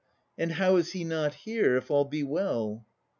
And how is he not here, if all be well?